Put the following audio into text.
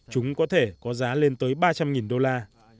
chúng có thể có giá lên tới ba trăm linh đô la